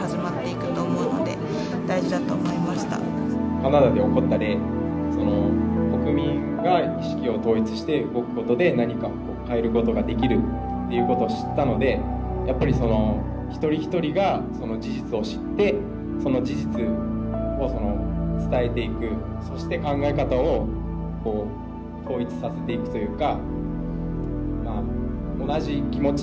カナダで起こった例国民が意識を統一して動く事で何かを変える事ができるっていう事を知ったのでやっぱり一人一人が事実を知ってその事実を伝えていくそして考え方を統一させていくというか。